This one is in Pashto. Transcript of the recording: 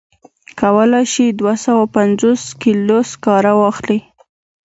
کولای شي دوه سوه پنځوس کیلو سکاره واخلي.